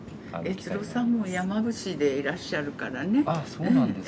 悦郎さんも山伏でいらっしゃるからね。